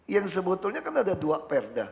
yang sebetulnya kan ada dua perda